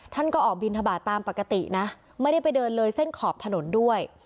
ท่านก็ออกบินทบาทตามปกตินะไม่ได้ไปเดินเลยเส้นขอบถนนด้วย